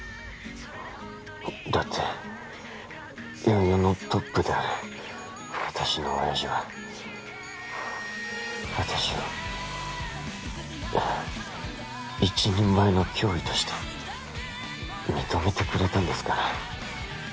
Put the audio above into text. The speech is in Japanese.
だって４４のトップである私のおやじは私を一人前の脅威として認めてくれたんですから。